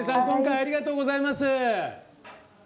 ありがとうございます。